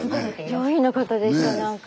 上品な方でしたなんか。